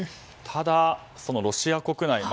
ただ、そのロシア国内。